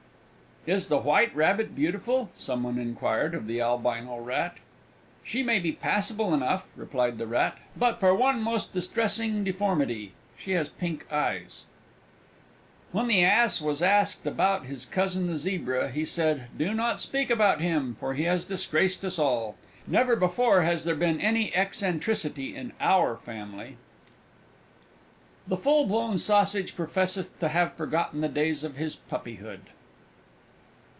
"Is the White Rabbit beautiful?" someone inquired of the Albino Rat. "She might be passable enough," replied the Rat, "but for one most distressing deformity. She has pink eyes!" When the Ass was asked about his Cousin the Zebra, he said: "Do not speak about him for he has disgraced us all. Never before has there been any eccentricity in our family!" The full blown Sausage professeth to have forgotten the days of his puppyhood.